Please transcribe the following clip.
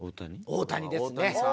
大谷ですね。